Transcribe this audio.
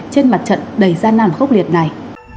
trên mặt trận đầy gian nạn khốc liệt này